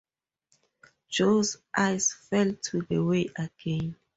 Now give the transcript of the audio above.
Joe’s eyes fell to the way again.